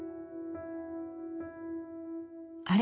あれ？